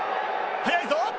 速いぞ！